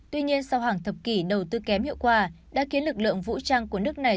tuy nhiên sau hàng thập kỷ đầu tư kém hiệu quả đã khiến lực lượng vũ trang của nước này